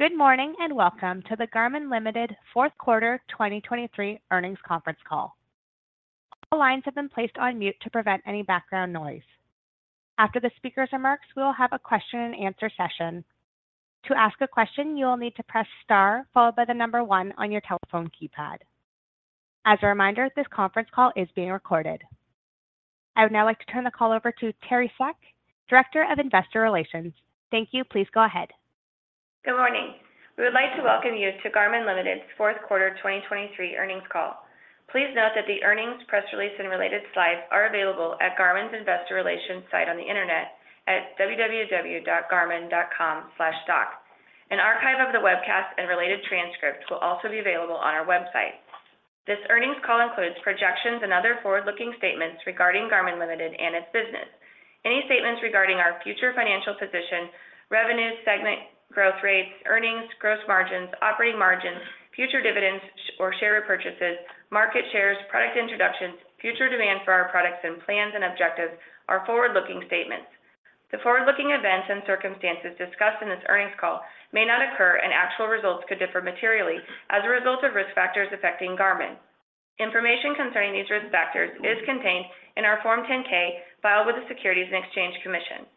Good morning, and welcome to the Garmin Limited fourth quarter 2023 earnings conference call. All lines have been placed on mute to prevent any background noise. After the speaker's remarks, we will have a question and answer session. To ask a question, you will need to press Star, followed by the number 1 on your telephone keypad. As a reminder, this conference call is being recorded. I would now like to turn the call over to Teri Seck, Director of Investor Relations. Thank you. Please go ahead. Good morning! We would like to welcome you to Garmin Limited's fourth quarter 2023 earnings call. Please note that the earnings, press release, and related slides are available at Garmin's Investor Relations site on the Internet at www.garmin.com/stock. An archive of the webcast and related transcripts will also be available on our website. This earnings call includes projections and other forward-looking statements regarding Garmin Limited and its business. Any statements regarding our future financial position, revenue, segment, growth rates, earnings, gross margins, operating margins, future dividends, or share repurchases, market shares, product introductions, future demand for our products, and plans and objectives are forward-looking statements. The forward-looking events and circumstances discussed in this earnings call may not occur, and actual results could differ materially as a result of risk factors affecting Garmin. Information concerning these risk factors is contained in our Form 10-K, filed with the Securities and Exchange Commission.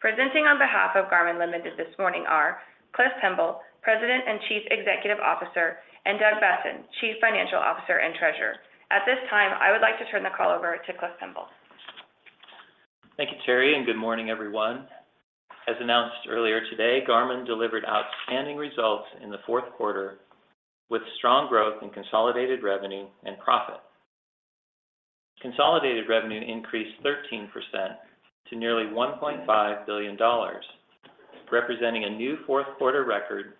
Presenting on behalf of Garmin Limited this morning are Cliff Pemble, President and Chief Executive Officer, and Doug Boessen, Chief Financial Officer and Treasurer. At this time, I would like to turn the call over to Cliff Pemble. Thank you, Teri, and good morning, everyone. As announced earlier today, Garmin delivered outstanding results in the fourth quarter, with strong growth in consolidated revenue and profit. Consolidated revenue increased 13% to nearly $1.5 billion, representing a new fourth quarter record,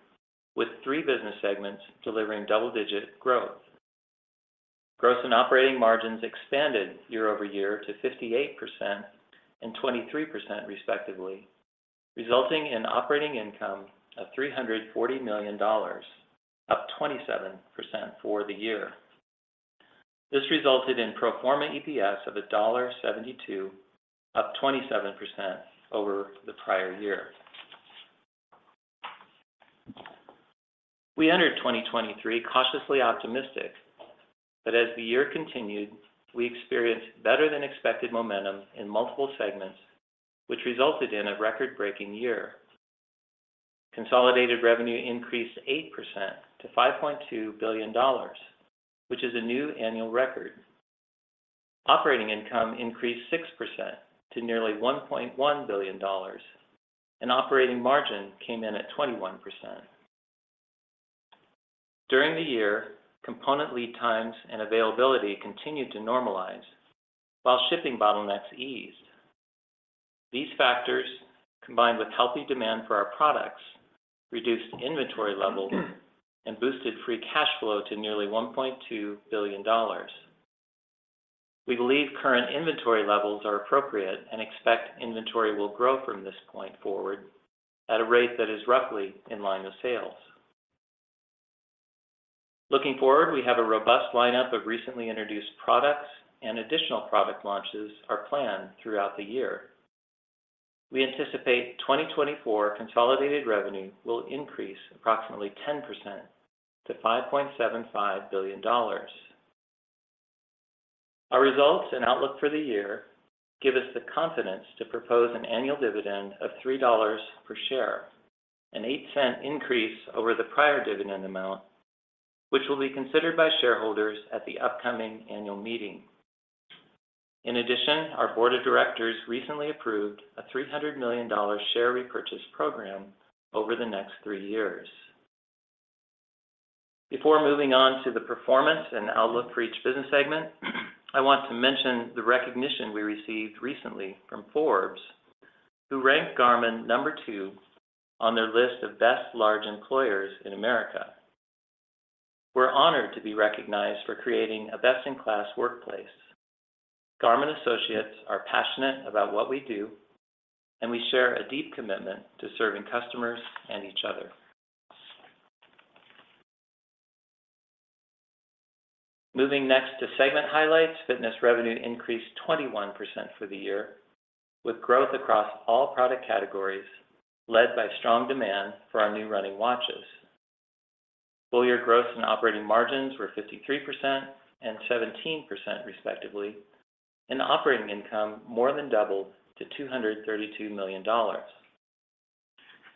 with three business segments delivering double-digit growth. Gross and operating margins expanded year-over-year to 58% and 23%, respectively, resulting in operating income of $340 million, up 27% for the year. This resulted in pro forma EPS of $1.72, up 27% over the prior year. We entered 2023 cautiously optimistic, but as the year continued, we experienced better-than-expected momentum in multiple segments, which resulted in a record-breaking year. Consolidated revenue increased 8% to $5.2 billion, which is a new annual record. Operating income increased 6% to nearly $1.1 billion, and operating margin came in at 21%. During the year, component lead times and availability continued to normalize while shipping bottlenecks eased. These factors, combined with healthy demand for our products, reduced inventory levels and boosted free cash flow to nearly $1.2 billion. We believe current inventory levels are appropriate and expect inventory will grow from this point forward at a rate that is roughly in line with sales. Looking forward, we have a robust lineup of recently introduced products, and additional product launches are planned throughout the year. We anticipate 2024 consolidated revenue will increase approximately 10% to $5.75 billion. Our results and outlook for the year give us the confidence to propose an annual dividend of $3 per share, an 0.08 increase over the prior dividend amount, which will be considered by shareholders at the upcoming annual meeting. In addition, our board of directors recently approved a $300 million share repurchase program over the next three years. Before moving on to the performance and outlook for each business segment, I want to mention the recognition we received recently from Forbes, who ranked Garmin number two on their list of best large employers in America. We're honored to be recognized for creating a best-in-class workplace. Garmin associates are passionate about what we do, and we share a deep commitment to serving customers and each other. Moving next to segment highlights, Fitness revenue increased 21% for the year, with growth across all product categories, led by strong demand for our new running watches. Full year gross and operating margins were 53% and 17%, respectively, and operating income more than doubled to $232 million.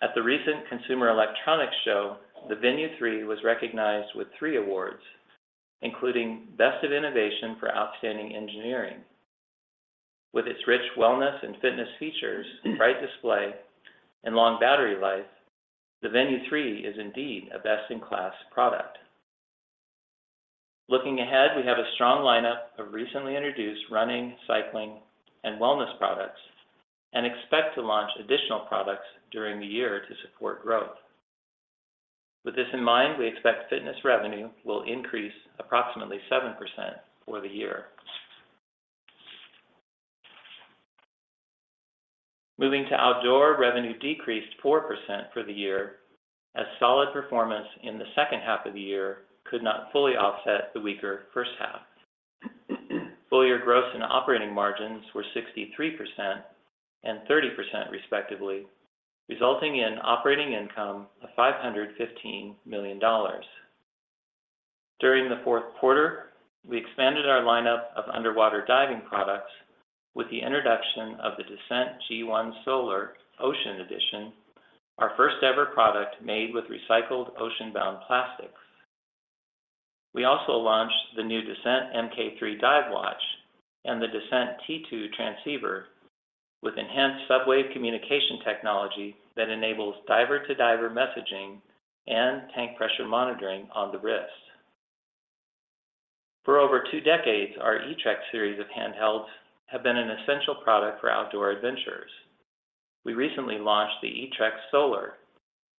At the recent Consumer Electronics Show, the Venu 3 was recognized with three awards, including Best of Innovation for Outstanding Engineering. With its rich wellness and fitness features, bright display, and long battery life, the Venu 3 is indeed a best-in-class product. Looking ahead, we have a strong lineup of recently introduced running, cycling, and wellness products and expect to launch additional products during the year to support growth. With this in mind, we expect Fitness revenue will increase approximately 7% for the year. Moving to Outdoor, revenue decreased 4% for the year, as solid performance in the second half of the year could not fully offset the weaker first half. Full year gross and operating margins were 63% and 30% respectively, resulting in operating income of $515 million. During the fourth quarter, we expanded our lineup of underwater diving products with the introduction of the Descent G1 Solar Ocean Edition, our first ever product made with recycled ocean-bound plastic. We also launched the new Descent Mk3 dive watch and the Descent T2 transceiver, with enhanced SubWave communication technology that enables diver-to-diver messaging and tank pressure monitoring on the wrist. For over two decades, our eTrex series of handhelds have been an essential product for outdoor adventurers. We recently launched the eTrex Solar,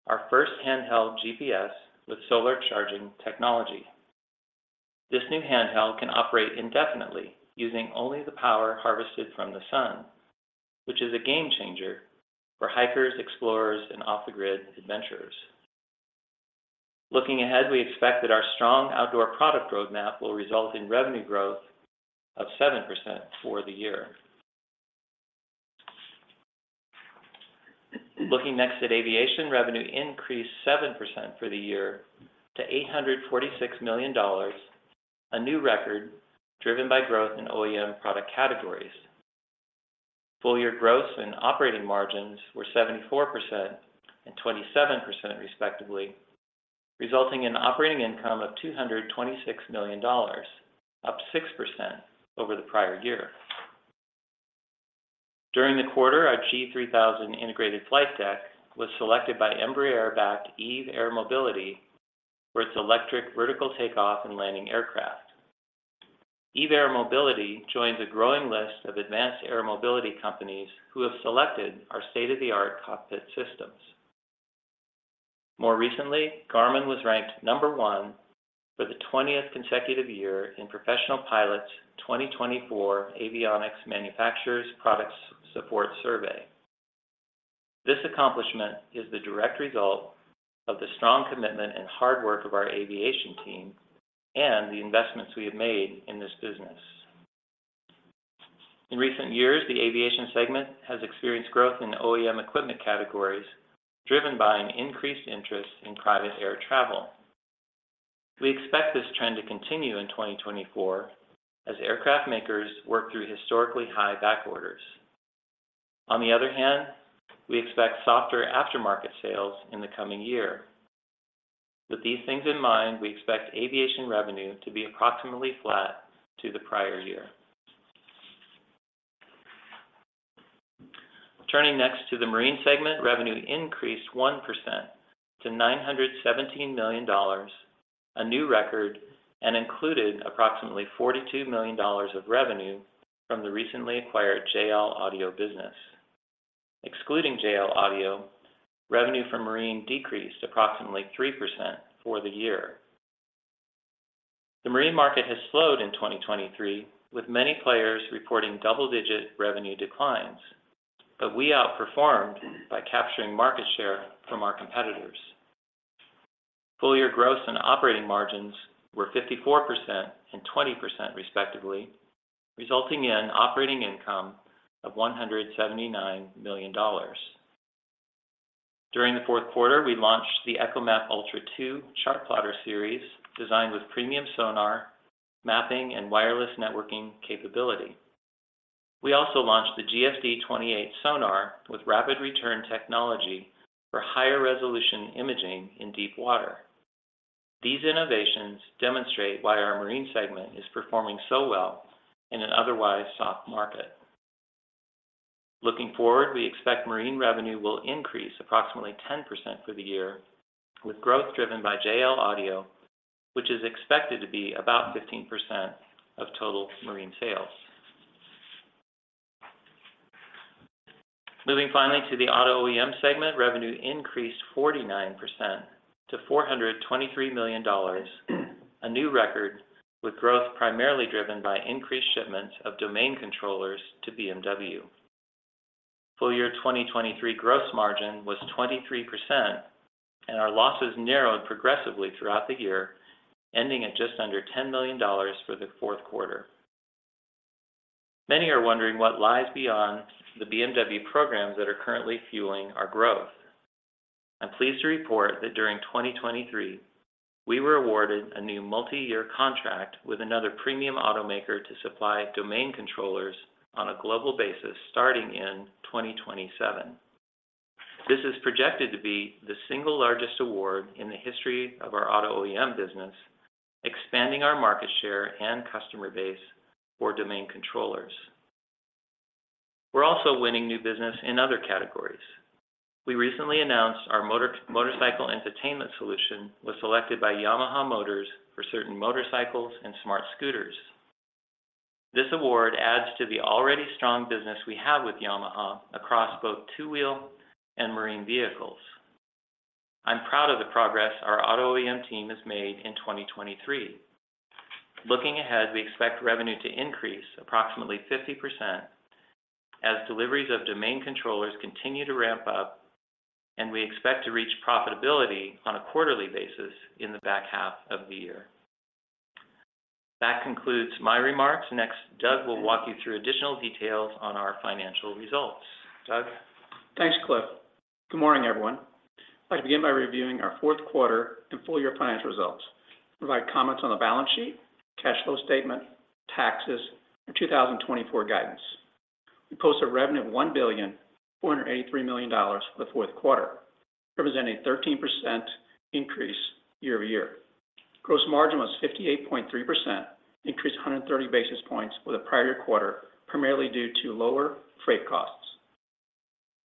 our first handheld GPS with solar charging technology. This new handheld can operate indefinitely using only the power harvested from the sun, which is a game changer for hikers, explorers, and off-the-grid adventurers. Looking ahead, we expect that our strong outdoor product roadmap will result in revenue growth of 7% for the year. Looking next at aviation, revenue increased 7% for the year to $846 million, a new record driven by growth in OEM product categories. Full year gross and operating margins were 74% and 27%, respectively, resulting in operating income of $226 million, up 6% over the prior year. During the quarter, our G3000 Integrated Flight Deck was selected by Embraer-backed Eve Air Mobility for its electric, vertical takeoff and landing aircraft. Eve Air Mobility joins a growing list of advanced air mobility companies who have selected our state-of-the-art cockpit systems. More recently, Garmin was ranked number 1 for the 20th consecutive year in Professional Pilot's 2024 Avionics Manufacturers Product Support Survey. This accomplishment is the direct result of the strong commitment and hard work of our aviation team and the investments we have made in this business. In recent years, the aviation segment has experienced growth in OEM equipment categories, driven by an increased interest in private air travel. We expect this trend to continue in 2024 as aircraft makers work through historically high back orders. On the other hand, we expect softer aftermarket sales in the coming year. With these things in mind, we expect aviation revenue to be approximately flat to the prior year. Turning next to the Marine segment, revenue increased 1% to $917 million, a new record, and included approximately $42 million of revenue from the recently acquired JL Audio business. Excluding JL Audio, revenue from Marine decreased approximately 3% for the year. The marine market has slowed in 2023, with many players reporting double-digit revenue declines, but we outperformed by capturing market share from our competitors. Full year gross and operating margins were 54% and 20%, respectively, resulting in operating income of $179 million. During the fourth quarter, we launched the ECHOMAP Ultra 2 Chartplotter series, designed with premium sonar, mapping, and wireless networking capability. We also launched the GSD 28 sonar with RapidReturn technology for higher resolution imaging in deep water. These innovations demonstrate why our marine segment is performing so well in an otherwise soft market. Looking forward, we expect marine revenue will increase approximately 10% for the year, with growth driven by JL Audio, which is expected to be about 15% of total marine sales. Moving finally to the Auto OEM segment, revenue increased 49% to $423 million, a new record, with growth primarily driven by increased shipments of domain controllers to BMW. Full year 2023 gross margin was 23%, and our losses narrowed progressively throughout the year, ending at just under $10 million for the fourth quarter. Many are wondering what lies beyond the BMW programs that are currently fueling our growth. I'm pleased to report that during 2023, we were awarded a new multi-year contract with another premium automaker to supply domain controllers on a global basis starting in 2027. This is projected to be the single largest award in the history of our Auto OEM business, expanding our market share and customer base for domain controllers. We're also winning new business in other categories. We recently announced our motorcycle entertainment solution was selected by Yamaha Motors for certain motorcycles and smart scooters. This award adds to the already strong business we have with Yamaha across both two-wheel and marine vehicles. I'm proud of the progress our Auto OEM team has made in 2023. Looking ahead, we expect revenue to increase approximately 50%, as deliveries of domain controllers continue to ramp up, and we expect to reach profitability on a quarterly basis in the back half of the year. That concludes my remarks. Next, Doug will walk you through additional details on our financial results. Doug? Thanks, Cliff. Good morning, everyone. I'd like to begin by reviewing our fourth quarter and full year financial results, provide comments on the balance sheet, cash flow statement, taxes, and 2024 guidance. We posted a revenue of $1.483 billion for the fourth quarter, representing a 13% increase year-over-year. Gross margin was 58.3%, increased 130 basis points for the prior quarter, primarily due to lower freight costs.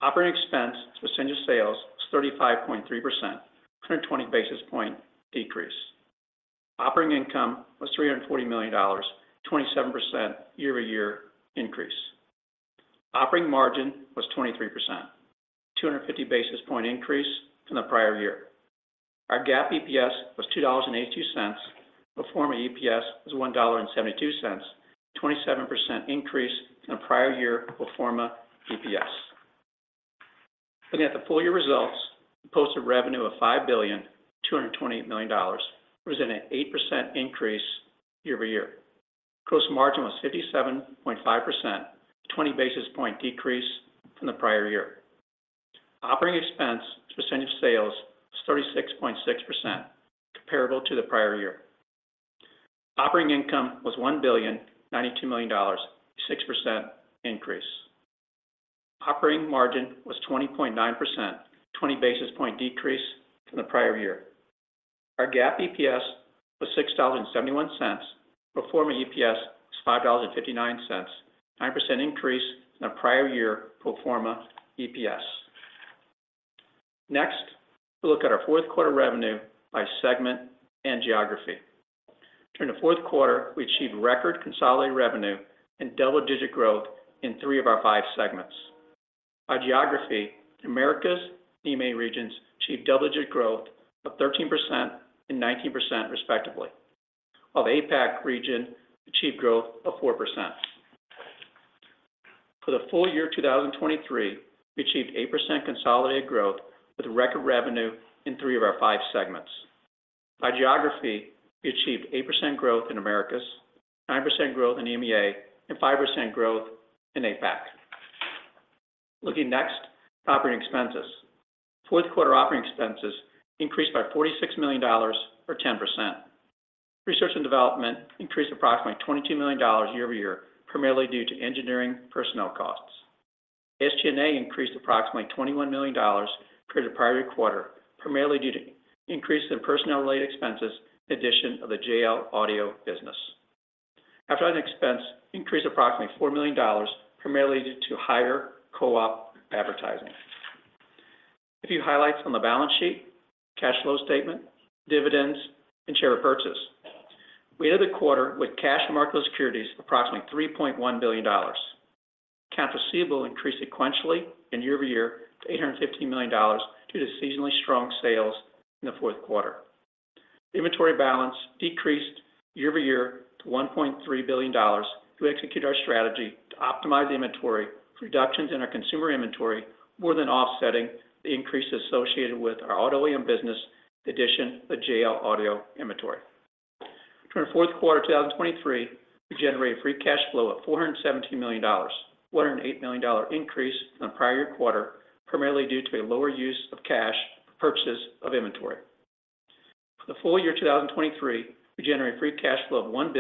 Operating expense as a percent of sales was 35.3%, a 120 basis point decrease. Operating income was $340 million, 27% year-over-year increase. Operating margin was 23%, 250 basis point increase from the prior year. Our GAAP EPS was $2.82. Pro forma EPS was $1.72, 27% increase in the prior year pro forma EPS. Looking at the full year results, we posted revenue of $5.228 billion, representing an 8% increase year-over-year. Gross margin was 57.5%, a 20 basis points decrease from the prior year. Operating expense as a percent of sales was 36.6%, comparable to the prior year. Operating income was $1.092 billion, a 6% increase. Operating margin was 20.9%, a 20 basis points decrease from the prior year. Our GAAP EPS was $6.71. Pro forma EPS was 5.59, 9% increase in our prior year pro forma EPS. Next, we'll look at our fourth quarter revenue by segment and geography. During the fourth quarter, we achieved record consolidated revenue and double-digit growth in three of our five segments. By geography, Americas and EMEA regions achieved double-digit growth of 13% and 19% respectively, while the APAC region achieved growth of 4%. For the full year 2023, we achieved 8% consolidated growth with a record revenue in three of our five segments. By geography, we achieved 8% growth in Americas, 9% growth in EMEA, and 5% growth in APAC. Looking next, operating expenses. Fourth quarter operating expenses increased by $46 million or 10%. Research and development increased approximately $22 million year-over-year, primarily due to engineering personnel costs. SG&A increased approximately $21 million compared to the prior quarter, primarily due to increase in personnel-related expenses, addition of the JL Audio business. Advertising expense increased approximately $4 million, primarily due to higher co-op advertising. A few highlights on the balance sheet, cash flow statement, dividends, and share repurchase. We ended the quarter with cash and marketable securities, approximately $3.1 billion. Accounts receivable increased sequentially and year-over-year to $850 million, due to seasonally strong sales in the fourth quarter. Inventory balance decreased year-over-year to $1.3 billion to execute our strategy to optimize inventory, reductions in our consumer inventory, more than offsetting the increase associated with our auto OEM business, addition of the JL Audio inventory. During the fourth quarter of 2023, we generated free cash flow of $417 million, 408 million dollar increase from the prior quarter, primarily due to a lower use of cash for purchases of inventory. For the full year 2023, we generated free cash flow of $1.183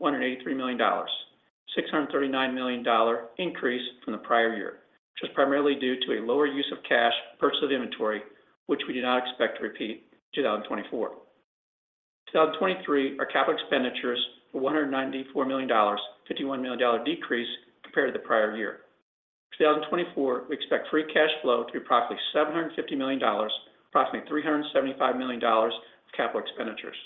billion, 639 million dollar increase from the prior year, which was primarily due to a lower use of cash purchase of inventory, which we do not expect to repeat in 2024. 2023, our capital expenditures were $194 million, 51 million dollar decrease compared to the prior year. 2024, we expect free cash flow to be approximately $750 million, approximately $375 million of capital expenditures.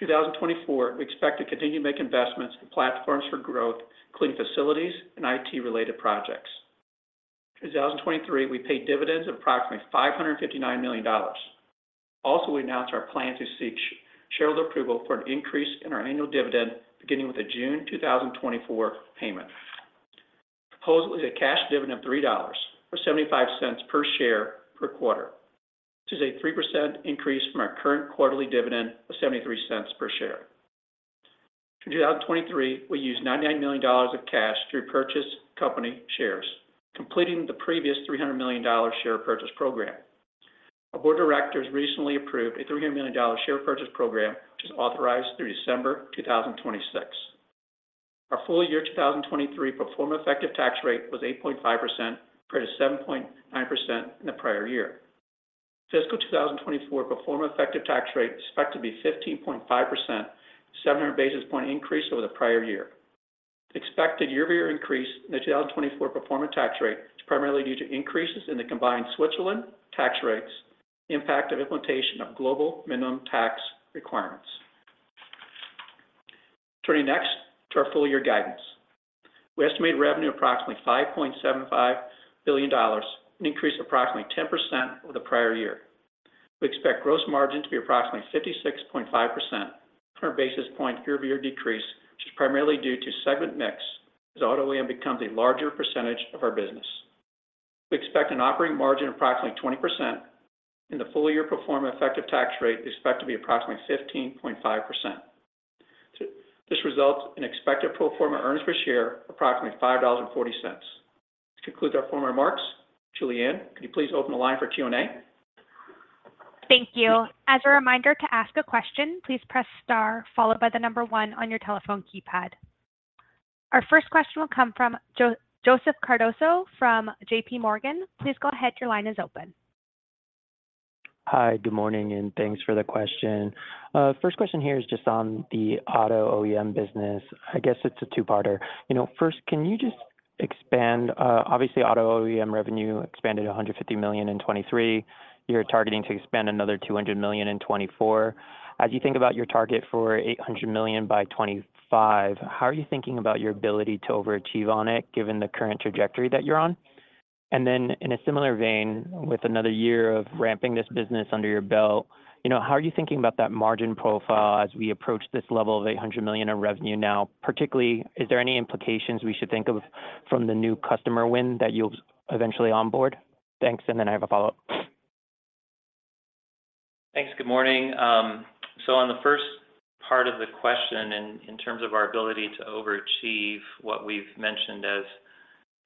2024, we expect to continue to make investments in platforms for growth, including facilities and IT-related projects. In 2023, we paid dividends of approximately $559 million. Also, we announced our plan to seek shareholder approval for an increase in our annual dividend, beginning with the June 2024 payment. Proposed is a cash dividend of $3 or 0.75 per share per quarter, which is a 3% increase from our current quarterly dividend of $0.73 per share. In 2023, we used $99 million of cash to repurchase company shares, completing the previous $300 million share purchase program. Our board of directors recently approved a $300 million share purchase program, which is authorized through December 2026. Our full year 2023 pro forma effective tax rate was 8.5%, compared to 7.9% in the prior year. Fiscal 2024 pro forma effective tax rate is expected to be 15.5%, 700 basis point increase over the prior year. Expected year-over-year increase in the 2024 pro forma tax rate is primarily due to increases in the combined Switzerland tax rates, impact of implementation of global minimum tax requirements. Turning next to our full year guidance. We estimate revenue approximately $5.75 billion, an increase of approximately 10% over the prior year. We expect gross margin to be approximately 56.5%, or basis point year-over-year decrease, which is primarily due to segment mix, as Auto OEM becomes a larger percentage of our business. We expect an operating margin of approximately 20%, and the full year performance effective tax rate is expected to be approximately 15.5%. So this results in expected pro forma earnings per share, approximately $5.40. This concludes our formal remarks. Julianne, could you please open the line for Q&A? Thank you. As a reminder, to ask a question, please press star followed by the number one on your telephone keypad. Our first question will come from Joseph Cardoso from JPMorgan. Please go ahead. Your line is open. Hi, good morning, and thanks for the question. First question here is just on the Auto OEM business. I guess it's a two-parter. You know, first, can you just expand, obviously, Auto OEM revenue expanded $150 million in 2023. You're targeting to expand another $200 million in 2024. As you think about your target for $800 million by 2025, how are you thinking about your ability to overachieve on it, given the current trajectory that you're on? And then in a similar vein, with another year of ramping this business under your belt, you know, how are you thinking about that margin profile as we approach this level of $800 million in revenue now? Particularly, is there any implications we should think of from the new customer win that you'll eventually onboard? Thanks, and then I have a follow-up. Thanks. Good morning. So on the first part of the question, in terms of our ability to overachieve what we've mentioned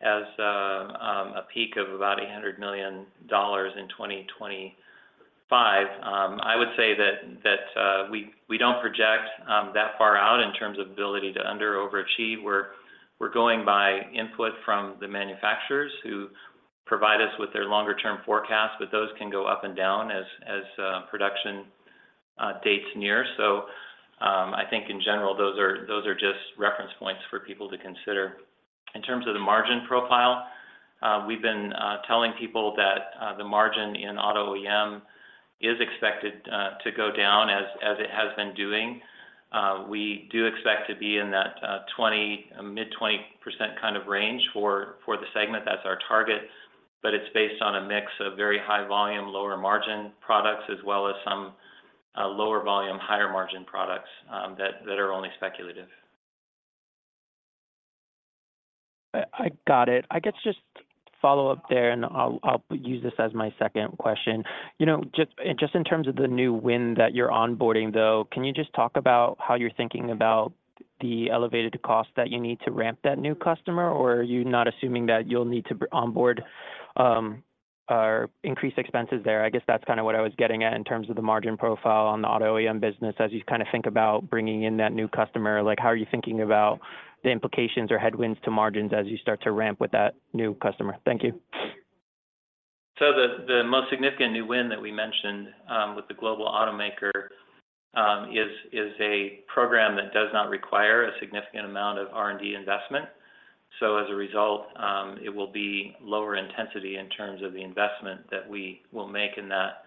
as a peak of about $800 million in 2025, I would say that we don't project that far out in terms of ability to under or overachieve. We're going by input from the manufacturers who provide us with their longer term forecast, but those can go up and down as production dates near. So I think in general, those are just reference points for people to consider. In terms of the margin profile, we've been telling people that the margin in Auto OEM is expected to go down as it has been doing. We do expect to be in that 20, mid-20% kind of range for the segment. That's our target, but it's based on a mix of very high volume, lower margin products, as well as some lower volume, higher margin products that are only speculative. I got it. I guess just follow up there, and I'll use this as my second question. You know, just in terms of the new win that you're onboarding, though, can you just talk about how you're thinking about the elevated cost that you need to ramp that new customer? Or are you not assuming that you'll need to onboard or increase expenses there? I guess that's kinda what I was getting at in terms of the margin profile on the Auto OEM business. As you kind of think about bringing in that new customer, like, how are you thinking about the implications or headwinds to margins as you start to ramp with that new customer? Thank you. So the most significant new win that we mentioned with the global automaker is a program that does not require a significant amount of R&D investment. So as a result, it will be lower intensity in terms of the investment that we will make in that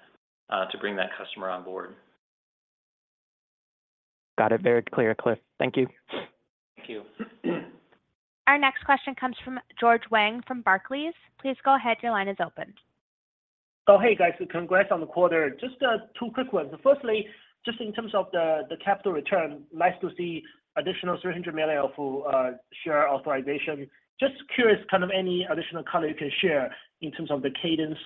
to bring that customer on board. Got it. Very clear, Cliff. Thank you. Thank you. Our next question comes from George Wang from Barclays. Please go ahead. Your line is open. Oh, hey, guys. Congrats on the quarter. Just two quick ones. Firstly, just in terms of the capital return, nice to see additional $300 million for share authorization. Just curious, kind of any additional color you can share in terms of the cadence.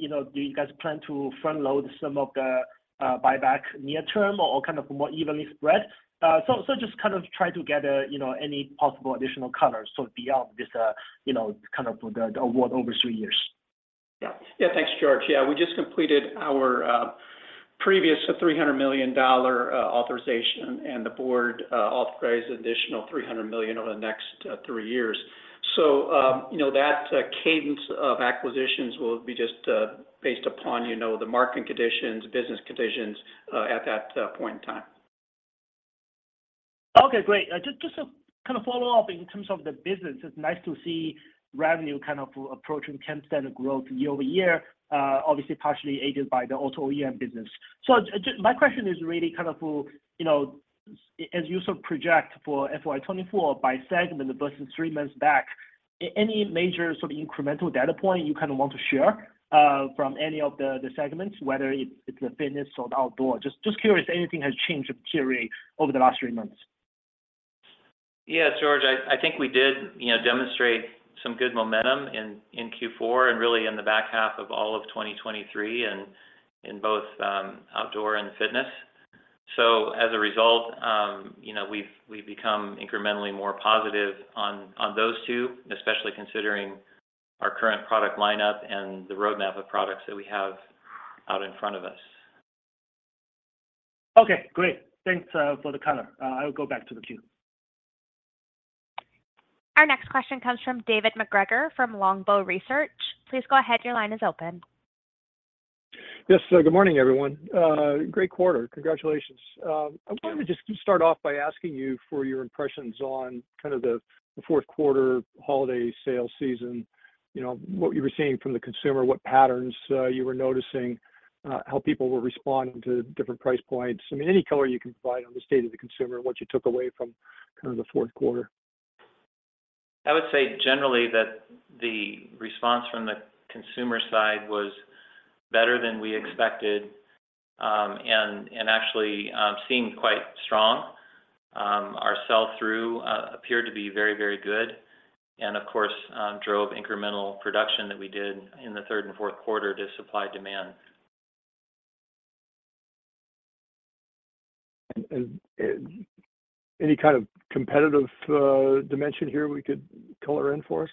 You know, do you guys plan to front load some of the buyback near term or kind of more evenly spread? So, so just kind of try to get you know, any possible additional colors. So beyond this, you know, kind of the award over three years. Yeah. Yeah. Thanks, George. Yeah, we just completed our previous $300 million authorization, and the board authorized an additional 300 million over the next three years. So, you know, that cadence of acquisitions will be just based upon, you know, the market conditions, business conditions at that point in time. Okay, great. Just, just to kind of follow up in terms of the business, it's nice to see revenue kind of approaching 10% growth year-over-year, obviously partially aided by the Auto OEM business. So my question is really kind of, you know, as you sort of project for FY 2024 by segment versus 3 months back, any major sort of incremental data point you kind of want to share, from any of the, the segments, whether it's, it's the fitness or the outdoor? Just, just curious if anything has changed materially over the last three months. Yeah, George, I think we did, you know, demonstrate some good momentum in Q4 and really in the back half of all of 2023 and in both outdoor and fitness. So as a result, you know, we've become incrementally more positive on those two, especially considering our current product lineup and the roadmap of products that we have out in front of us. Okay, great. Thanks for the color. I will go back to the queue. Our next question comes from David MacGregor, from Longbow Research. Please go ahead. Your line is open. Yes, good morning, everyone. Great quarter. Congratulations. I wanted to just start off by asking you for your impressions on kind of the fourth quarter holiday sales season. You know, what you were seeing from the consumer, what patterns you were noticing, how people were responding to different price points. I mean, any color you can provide on the state of the consumer and what you took away from kind of the fourth quarter? I would say generally that the response from the consumer side was better than we expected, and actually seemed quite strong. Our sell-through appeared to be very, very good, and of course, drove incremental production that we did in the third and fourth quarter to supply demand. Any kind of competitive dimension here we could color in for us?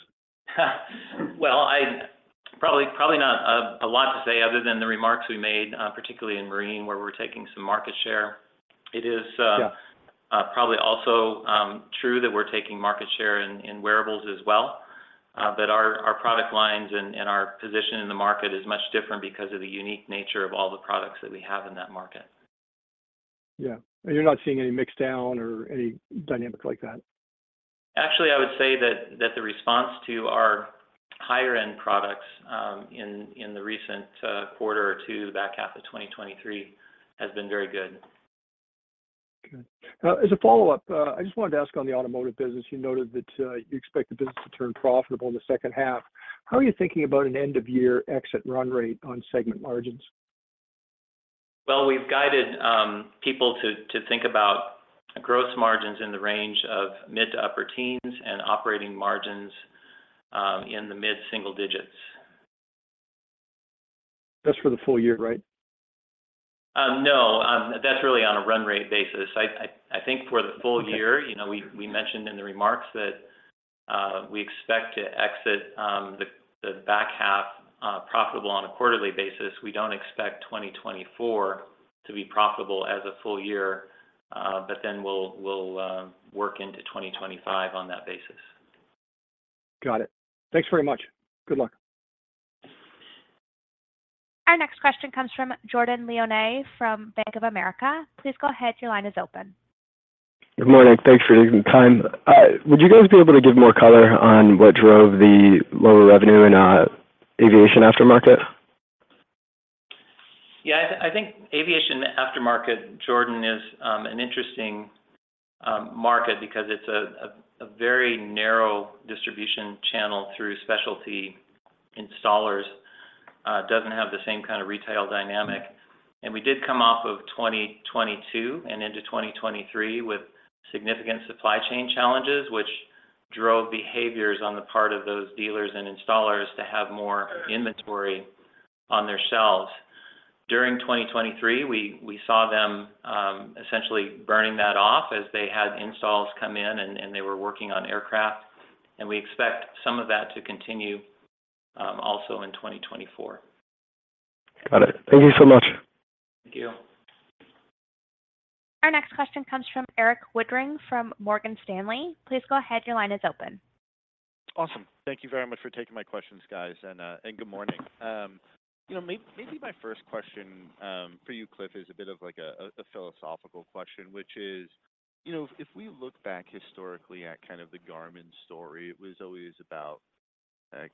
Well, probably, probably not a lot to say other than the remarks we made, particularly in Marine, where we're taking some market share. It is, Yeah Probably also true that we're taking market share in wearables as well, but our product lines and our position in the market is much different because of the unique nature of all the products that we have in that market. Yeah. And you're not seeing any mix down or any dynamic like that? Actually, I would say that the response to our higher-end products in the recent quarter or two, the back half of 2023, has been very good. Okay. As a follow-up, I just wanted to ask on the automotive business, you noted that you expect the business to turn profitable in the second half. How are you thinking about an end-of-year exit run rate on segment margins? Well, we've guided people to think about gross margins in the range of mid to upper teens and operating margins in the mid-single digits. That's for the full year, right? No, that's really on a run rate basis. I think for the full year- Okay. You know, we mentioned in the remarks that we expect to exit the back half profitable on a quarterly basis. We don't expect 2024 to be profitable as a full year, but then we'll work into 2025 on that basis. Got it. Thanks very much. Good luck. Our next question comes from Jordan Lyonnais from Bank of America. Please go ahead. Your line is open. Good morning. Thanks for taking the time. Would you guys be able to give more color on what drove the lower revenue in aviation aftermarket? Yeah, I think aviation aftermarket, Jordan, is an interesting market because it's a very narrow distribution channel through specialty installers. It doesn't have the same kind of retail dynamic. And we did come off of 2022 and into 2023 with significant supply chain challenges, which drove behaviors on the part of those dealers and installers to have more inventory on their shelves. During 2023, we saw them essentially burning that off as they had installs come in and they were working on aircraft, and we expect some of that to continue also in 2024. Got it. Thank you so much. Thank you. Our next question comes from Erik Woodring from Morgan Stanley. Please go ahead, your line is open. Awesome. Thank you very much for taking my questions, guys, and good morning. You know, maybe my first question for you, Cliff, is a bit of like a philosophical question, which is: you know, if we look back historically at kind of the Garmin story, it was always about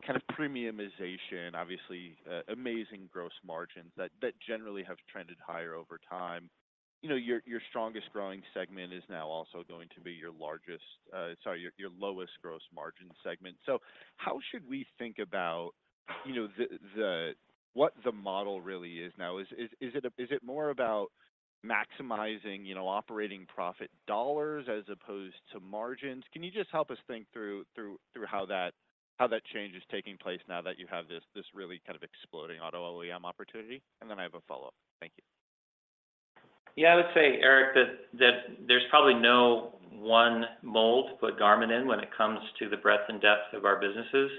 kind of premiumization, obviously, amazing gross margins that generally have trended higher over time. You know, your strongest growing segment is now also going to be your largest, sorry, your lowest gross margin segment. So how should we think about, you know, the what the model really is now? Is it more about maximizing, you know, operating profit dollars as opposed to margins? Can you just help us think through how that change is taking place now that you have this really kind of exploding auto OEM opportunity? Then I have a follow-up. Thank you. Yeah, I would say, Eric, that there's probably no one mold to put Garmin in when it comes to the breadth and depth of our businesses.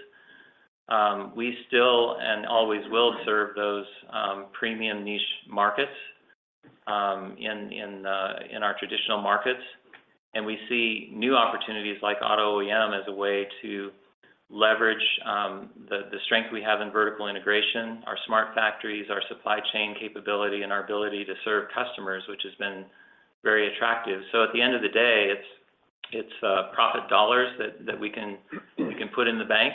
We still and always will serve those premium niche markets in our traditional markets, and we see new opportunities like auto OEM as a way to leverage the strength we have in vertical integration, our smart factories, our supply chain capability, and our ability to serve customers, which has been very attractive. So at the end of the day, it's profit dollars that we can put in the bank.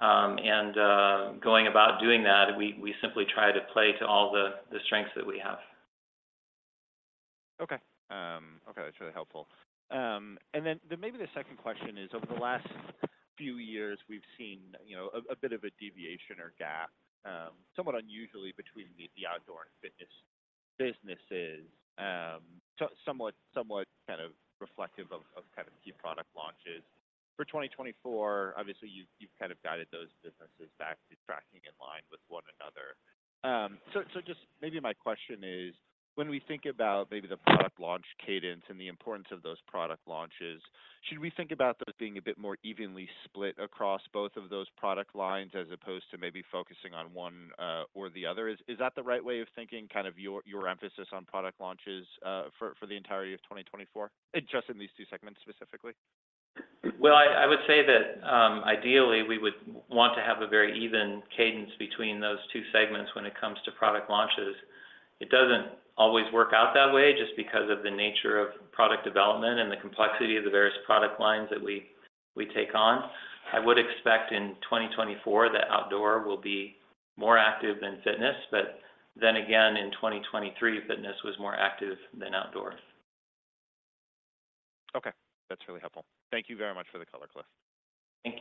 And going about doing that, we simply try to play to all the strengths that we have. Okay. Okay, that's really helpful. And then maybe the second question is, over the last few years, we've seen, you know, a bit of a deviation or gap, somewhat unusually between the outdoor and fitness businesses. So somewhat kind of reflective of kind of key product launches. For 2024, obviously, you've kind of guided those businesses back to tracking in line with one another. So just maybe my question is, when we think about maybe the product launch cadence and the importance of those product launches, should we think about those being a bit more evenly split across both of those product lines as opposed to maybe focusing on one, or the other? Is that the right way of thinking, kind of your emphasis on product launches for the entirety of 2024? Just in these two segments, specifically. Well, I would say that ideally, we would want to have a very even cadence between those two segments when it comes to product launches. It doesn't always work out that way, just because of the nature of product development and the complexity of the various product lines that we take on. I would expect in 2024 that outdoor will be more active than fitness, but then again in 2023, fitness was more active than outdoors. Okay, that's really helpful. Thank you very much for the color, Cliff. Thank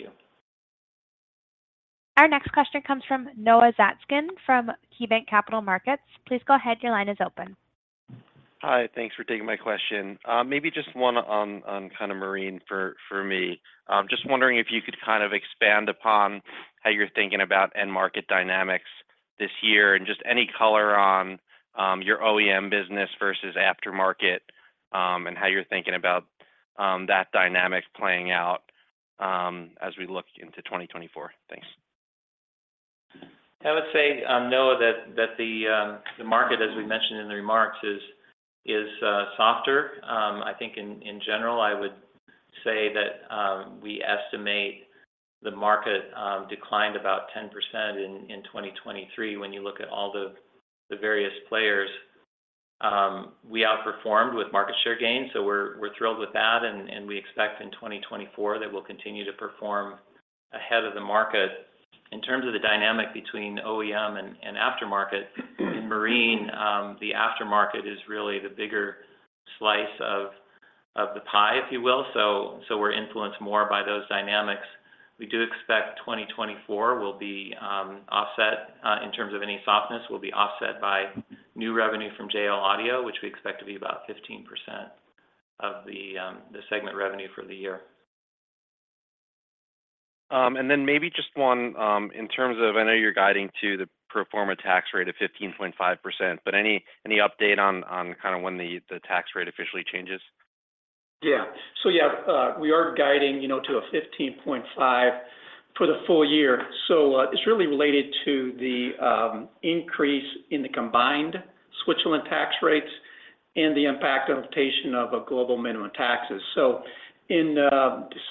you. Our next question comes from Noah Zatskin from KeyBanc Capital Markets. Please go ahead. Your line is open. Hi, thanks for taking my question. Maybe just one on kind of marine for me. Just wondering if you could kind of expand upon how you're thinking about end market dynamics this year, and just any color on your OEM business versus aftermarket, and how you're thinking about that dynamic playing out as we look into 2024? Thanks. I would say, Noah, that the market, as we mentioned in the remarks, is softer. I think in general, I would say that we estimate the market declined about 10% in 2023, when you look at all the various players. We outperformed with market share gains, so we're thrilled with that, and we expect in 2024 that we'll continue to perform ahead of the market. In terms of the dynamic between OEM and aftermarket, in marine, the aftermarket is really the bigger slice of the pie, if you will. So we're influenced more by those dynamics. We do expect 2024 will be offset in terms of any softness, will be offset by new revenue from JL Audio, which we expect to be about 15% of the segment revenue for the year. And then maybe just one, in terms of... I know you're guiding to the pro forma tax rate of 15.5%, but any update on kind of when the tax rate officially changes? Yeah. So, yeah, we are guiding, you know, to a 15.5 for the full year. So, it's really related to the, increase in the combined Switzerland tax rates and the impact of implementation of a global minimum taxes. So in,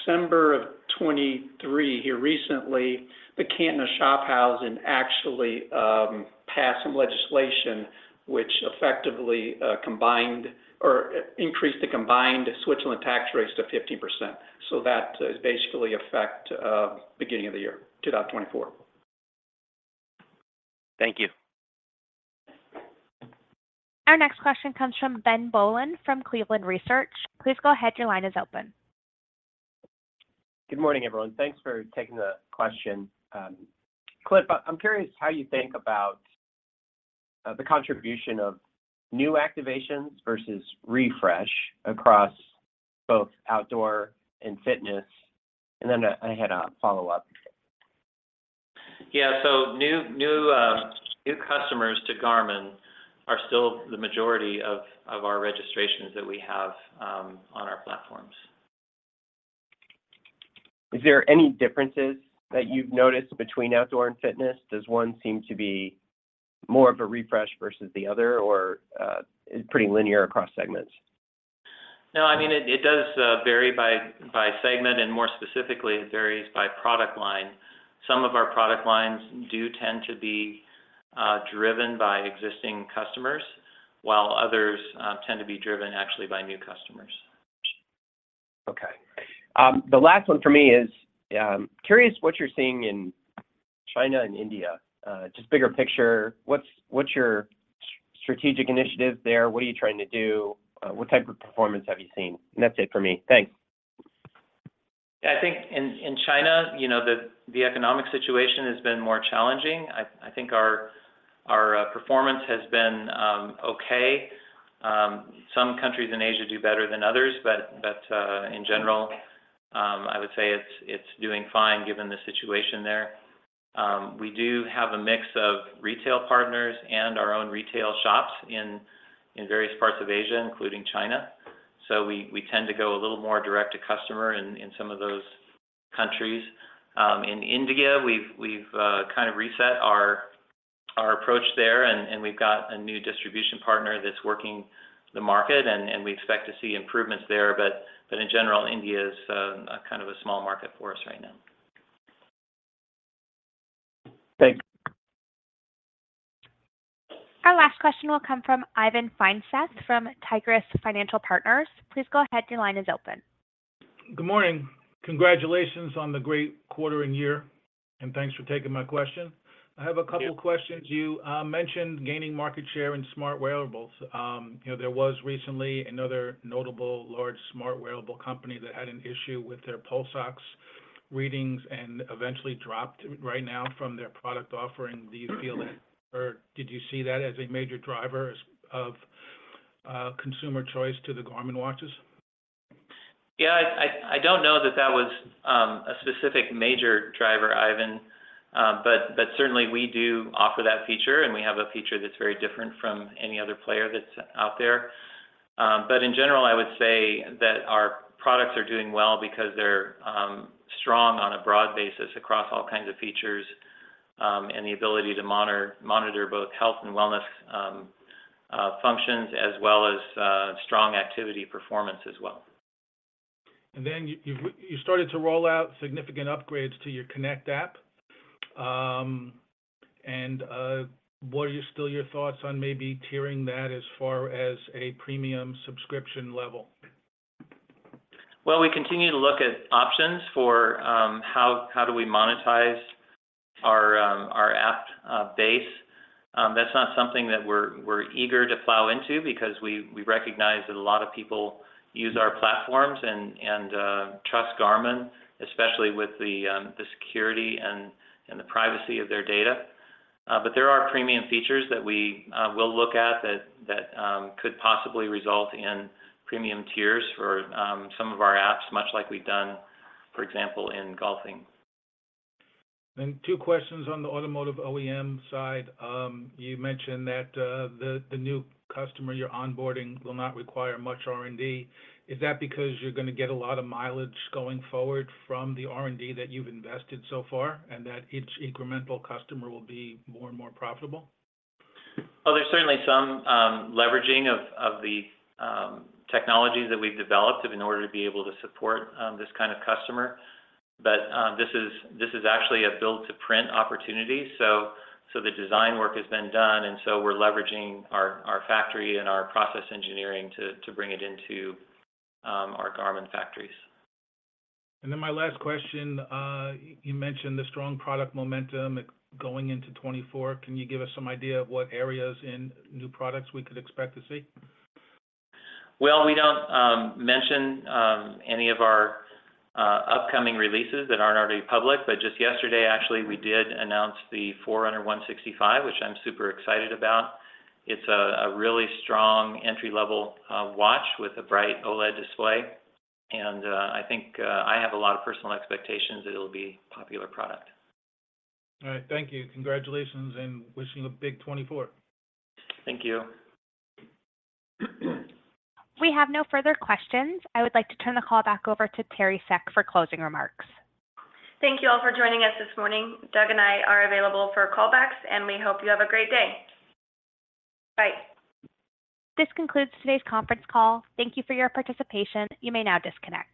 December of 2023, here recently, the Canton of Schwyz actually, passed some legislation which effectively, combined or increased the combined Switzerland tax rates to 15%. So that is basically effect, beginning of the year, 2024. Thank you. Our next question comes from Ben Bollin from Cleveland Research. Please go ahead. Your line is open. Good morning, everyone. Thanks for taking the question. Cliff, I'm curious how you think about the contribution of new activations versus refresh across both outdoor and fitness, and then I had a follow-up. Yeah. So new customers to Garmin are still the majority of our registrations that we have on our platforms. Is there any differences that you've noticed between outdoor and fitness? Does one seem to be more of a refresh versus the other, or, pretty linear across segments? No, I mean, it does vary by segment, and more specifically, it varies by product line. Some of our product lines do tend to be driven by existing customers, while others tend to be driven actually by new customers. Okay. The last one for me is curious what you're seeing in China and India. Just bigger picture, what's your strategic initiative there? What are you trying to do? What type of performance have you seen? And that's it for me. Thanks. I think in China, you know, the economic situation has been more challenging. I think our performance has been okay. Some countries in Asia do better than others, but in general, I would say it's doing fine given the situation there. We do have a mix of retail partners and our own retail shops in various parts of Asia, including China, so we tend to go a little more direct to customer in some of those countries. In India, we've kind of reset our approach there, and we've got a new distribution partner that's working the market, and we expect to see improvements there. But in general, India is kind of a small market for us right now. Thanks. Our last question will come from Ivan Feinseth from Tigress Financial Partners. Please go ahead. Your line is open. Good morning. Congratulations on the great quarter and year, and thanks for taking my question. Yeah. I have a couple of questions. You mentioned gaining market share in smart wearables. You know, there was recently another notable large smart wearable company that had an issue with their Pulse Ox readings and eventually dropped right now from their product offering. Do you feel that or did you see that as a major driver of consumer choice to the Garmin watches? Yeah, I don't know that that was a specific major driver, Ivan. But certainly we do offer that feature, and we have a feature that's very different from any other player that's out there. But in general, I would say that our products are doing well because they're strong on a broad basis across all kinds of features, and the ability to monitor both health and wellness functions, as well as strong activity performance as well. You started to roll out significant upgrades to your Connect app... and what are your thoughts on maybe tiering that as far as a premium subscription level? Well, we continue to look at options for how do we monetize our app base. That's not something that we're eager to plow into because we recognize that a lot of people use our platforms and trust Garmin, especially with the security and the privacy of their data. But there are premium features that we will look at that could possibly result in premium tiers for some of our apps, much like we've done, for example, in golfing. Then two questions on the automotive OEM side. You mentioned that the new customer you're onboarding will not require much R&D. Is that because you're gonna get a lot of mileage going forward from the R&D that you've invested so far, and that each incremental customer will be more and more profitable? Well, there's certainly some leveraging of the technologies that we've developed in order to be able to support this kind of customer. But this is actually a build-to-print opportunity, so the design work has been done, and so we're leveraging our factory and our process engineering to bring it into our Garmin factories. And then my last question, you mentioned the strong product momentum going into 2024. Can you give us some idea of what areas in new products we could expect to see? Well, we don't mention any of our upcoming releases that aren't already public, but just yesterday, actually, we did announce the Forerunner 165, which I'm super excited about. It's a really strong entry-level watch with a bright OLED display, and I think I have a lot of personal expectations that it'll be a popular product. All right. Thank you. Congratulations, and wishing you a big 2024. Thank you. We have no further questions. I would like to turn the call back over to Teri Seck for closing remarks. Thank you all for joining us this morning. Doug and I are available for call backs, and we hope you have a great day. Bye. This concludes today's conference call. Thank you for your participation. You may now disconnect.